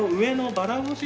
ばらぼし？